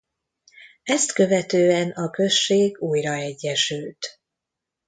Ezt követően a község újra egyesült.